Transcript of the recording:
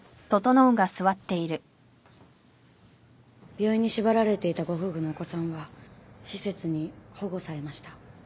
病院に縛られていたご夫婦のお子さんは施設に保護されました。